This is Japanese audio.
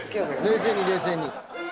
冷静に冷静に。